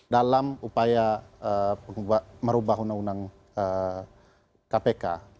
dalam upaya merubah undang undang kpk